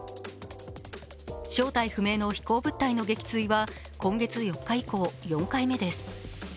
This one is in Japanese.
正体不明の飛行物体の撃墜は今月４日以降、４回目です。